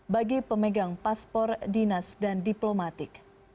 bagi pemegang paspor dinas dan diplomatik